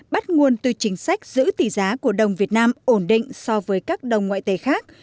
bắt nguồn từ chính sách giữ tỷ giá của đồng việt nam ổn định so với các đồng ngoại tệ khác